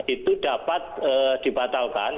itu dapat dibatalkan